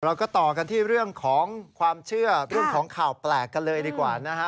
ต่อกันที่เรื่องของความเชื่อเรื่องของข่าวแปลกกันเลยดีกว่านะฮะ